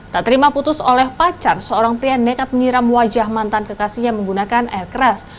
tak terima putus oleh pacar seorang pria nekat menyiram wajah mantan kekasihnya menggunakan air keras